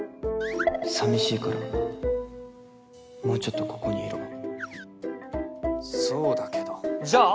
さみしいからもうちょっとここにいろそうだけどじゃあ